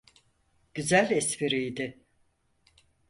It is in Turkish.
Güzel espriydi.